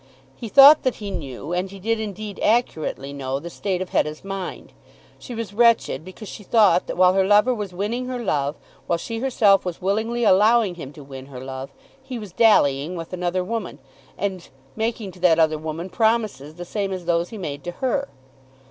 He thought that he knew, and he did indeed accurately know, the state of Hetta's mind. She was wretched because she thought that while her lover was winning her love, while she herself was willingly allowing him to win her love, he was dallying with another woman, and making to that other woman promises the same as those he made to her.